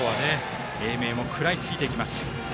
英明も食らいついていきます。